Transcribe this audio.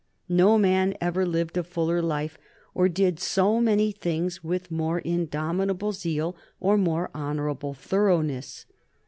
No man ever lived a fuller life or did so many things with more indomitable zeal or more honorable thoroughness.